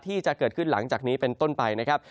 ที่จะเกิดขึ้นหลังจากนี้เป็นต้นไปนะครับ